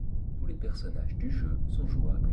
Tous les personnages du jeu sont jouables.